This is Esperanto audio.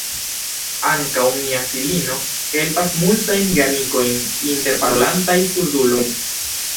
Ankaŭ mia filino helpas multajn geamikojn inter parolantaj surduloj.